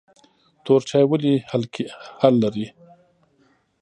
تور چای ولې هل لري؟